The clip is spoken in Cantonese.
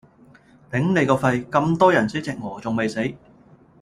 頂你個肺，咁多人死隻鵝仲未死